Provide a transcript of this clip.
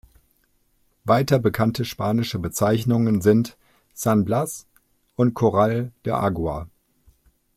Weiter bekannte spanische Bezeichnungen sind "San Blas" und "Corral de Agua.